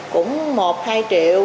cũng một hai triệu